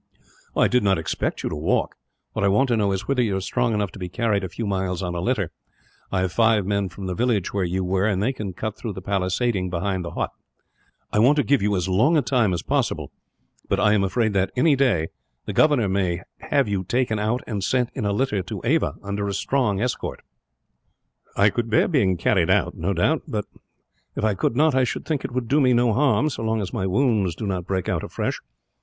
"I did not expect you to walk. What I want to know is whether you are strong enough to be carried a few miles, on a litter. I have five men from the village where we were, and they can cut through the palisading behind the hut. I want to give you as long a time as possible; but I am afraid that, any day, the governor may have you taken out and sent in a litter to Ava, under a strong escort." "I could bear being carried out, no doubt; but if I could not, I should think it would do me no harm, so long as my wounds do not break out afresh.